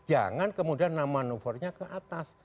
jangan kemudian manuvernya ke atas